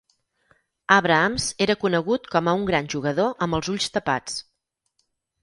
Abrahams era conegut com a un gran jugador amb els ulls tapats.